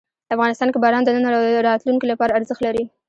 افغانستان کې باران د نن او راتلونکي لپاره ارزښت لري.